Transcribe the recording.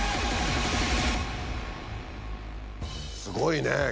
すごいね。